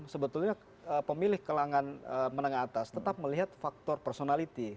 sebenarnya pemilih kelangan menengah atas tetap melihat faktor personality